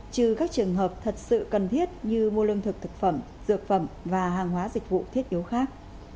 trừ các trường hợp thật sự cần thiết như mua lương thực thực phẩm dược phẩm và hàng hóa dịch vụ thiết yếu khác